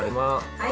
はい。